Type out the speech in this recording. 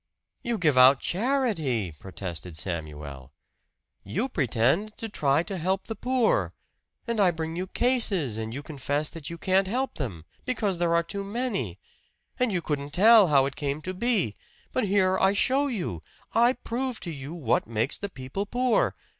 "You give out charity!" protested Samuel. "You pretend to try to help the poor! And I bring you cases, and you confess that you can't help them because there are too many. And you couldn't tell how it came to be. But here I show you I prove to you what makes the people poor!